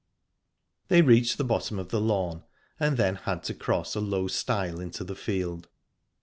They reached the bottom of the lawn, and then had to cross a low stile into the field.